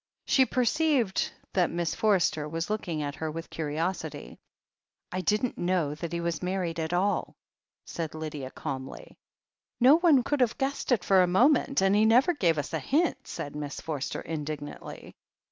She perceived that Miss Forster was looking at her with curiosity. "I didn't know that he was married at all," said Lydia calmly. "No one could have guessed it for a moment, and he never gave us a hint," said Miss Forster indignantly.